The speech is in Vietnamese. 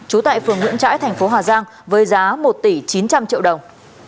trú tại phường nguyễn trãi thành phố hà giang với giá một tỷ chín trăm linh triệu đồng